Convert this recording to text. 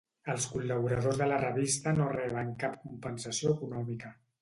Els col·laboradors de la revista no reben cap compensació econòmica.